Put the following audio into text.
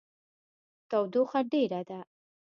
تودوخه ډیره ده